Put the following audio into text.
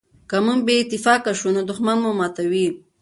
که موږ بې اتفاقه شو نو دښمن مو ماتوي.